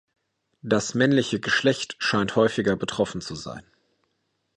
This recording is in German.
Das männliche Geschlecht scheint häufiger betroffen zu sein.